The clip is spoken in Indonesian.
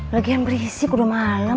lagi yang berisik udah malem